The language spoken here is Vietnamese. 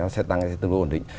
nó sẽ tăng tương đối ổn định